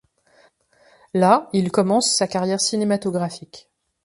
Là, il commence sa carrière cinématographique.